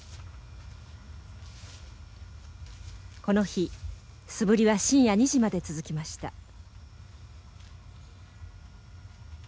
この日素振りは深夜２時まで続きました。